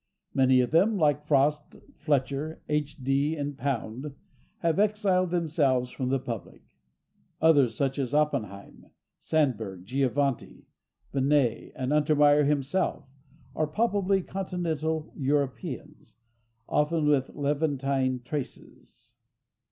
Many of them, like Frost, Fletcher, H. D. and Pound, have exiled themselves from the republic. Others, such as Oppenheim, Sandburg, Giovannitti, Benét and Untermeyer himself, are palpably Continental Europeans, often with Levantine traces.